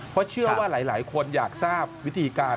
เพราะเชื่อว่าหลายคนอยากทราบวิธีการ